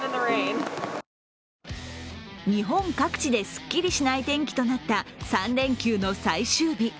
日本各地ですっきりしない天気となった３連休の最終日。